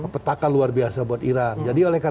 petakan luar biasa buat iran jadi oleh